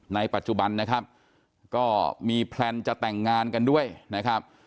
ในปัจจุบันนะครับก็มีแพลนจะแต่งงานกันด้วยนะครับ